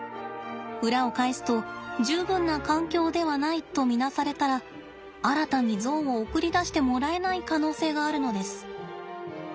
裏を返すと十分な環境ではないとみなされたら新たにゾウを送り出してもらえない可能性があるのです。